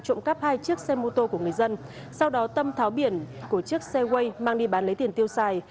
trộm cắp hai chiếc xe mô tô của người dân sau đó tâm tháo biển của chiếc xe way mang đi bán lấy tiền tiêu xài